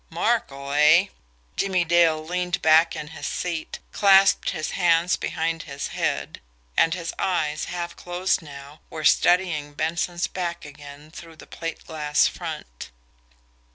Markel eh? Jimmie Dale leaned back in his seat, clasped his hands behind his head and his eyes, half closed now, were studying Benson's back again through the plate glass front.